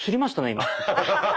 今。